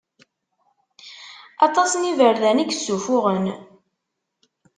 Aṭas n iberdan i yessuffuɣen.